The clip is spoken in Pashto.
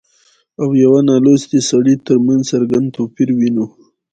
او يوه نالوستي سړي ترمنځ څرګند توپير وينو